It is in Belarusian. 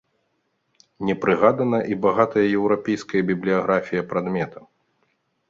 Не прыгадана і багатая еўрапейская бібліяграфія прадмета.